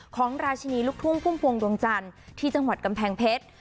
ของราชินีลูกทุ่งพุ่มพวงดวงจันทร์ที่จังหวัดกำแพงเพชร